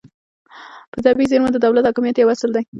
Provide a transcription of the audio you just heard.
په طبیعي زیرمو د دولت حاکمیت یو اصل دی